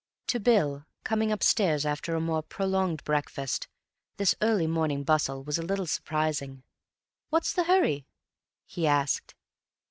To Bill, coming upstairs after a more prolonged breakfast, this early morning bustle was a little surprising. "What's the hurry?" he asked.